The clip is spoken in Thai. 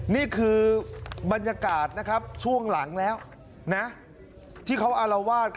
นี่คือบรรยากาศนะครับช่วงหลังแล้วนะที่เขาอารวาส